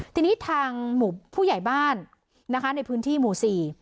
ทีนี้ทางหมู่ผู้ใหญ่บ้านนะคะในพื้นที่หมู่สี่